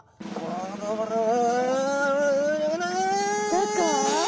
どこ？